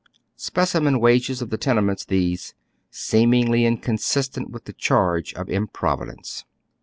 Specimen wages of the tenements these, seemingly inconsistent with the charge of improvidence.